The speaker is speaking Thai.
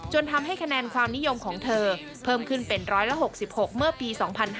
ทำให้คะแนนความนิยมของเธอเพิ่มขึ้นเป็น๑๖๖เมื่อปี๒๕๕๙